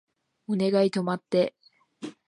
お願い止まって